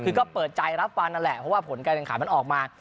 คือก็เปิดใจรับฟังนั่นแหละเพราะว่าผลการแข่งขันมันออกมา